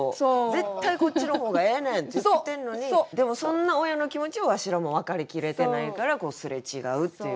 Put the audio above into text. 絶対こっちの方がええねん！って言ってんのにでもそんな親の気持ちをわしらも分かりきれてないからこう擦れ違うっていうね。